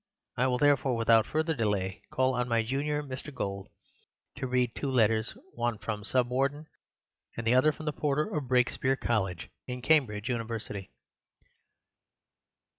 I will therefore, without further delay, call on my junior, Mr. Gould, to read two letters—one from the Sub Warden and the other from the porter of Brakespeare College, in Cambridge University."